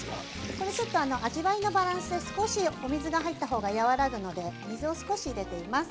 これは、ちょっと味わいのバランスで少しお水が入ったほうが和らぐので水を少し入れています。